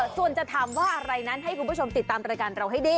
ส่วนจะถามว่าอะไรนั้นให้คุณผู้ชมติดตามรายการเราให้ดี